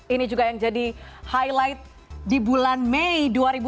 ini juga yang jadi highlight di bulan mei dua ribu dua puluh